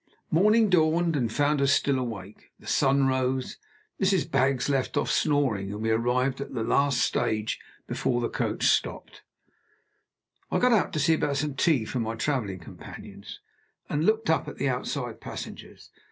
Morning dawned and found us still awake. The sun rose, Mrs. Baggs left off snoring, and we arrived at the last stage before the coach stopped. I got out to see about some tea for my traveling companions, and looked up at the outside passengers.